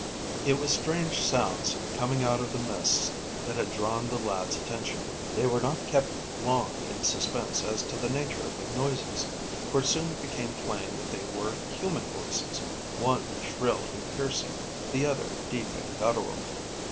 IT was strange sounds coming out of the mists that had drawn the lads' attention. They were not kept long in suspense as to the nature of the noises, for it soon became plain that they were human voices, one shrill and piercing, the other deep and guttural.